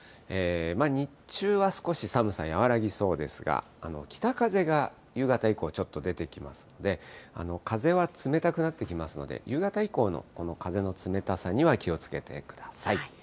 日中は少し寒さ和らぎそうですが、北風が夕方以降、ちょっと出てきますので、風は冷たくなってきますので、夕方以降のこの風の冷たさには気をつけてください。